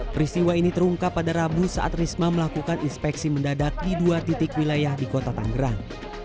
peristiwa ini terungkap pada rabu saat risma melakukan inspeksi mendadak di dua titik wilayah di kota tanggerang